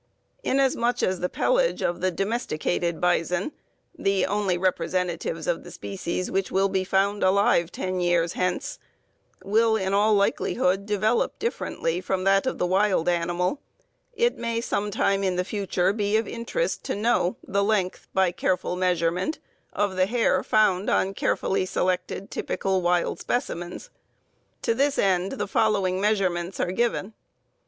Inasmuch as the pelage of the domesticated bison, the only representatives of the species which will be found alive ten years hence, will in all likelihood develop differently from that of the wild animal, it may some time in the future be of interest to know the length, by careful measurement, of the hair found on carefully selected typical wild specimens. To this end the following measurements are given.